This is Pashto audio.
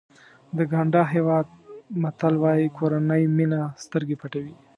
د ګاڼډا هېواد متل وایي کورنۍ مینه سترګې پټوي.